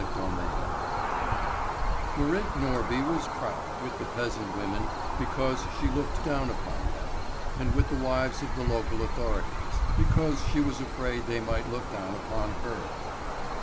CHAPTER II MARIT NORBY was proud with the peasant women, because she looked down upon them, and with the wives of the local authorities, because she was afraid they might look down upon her.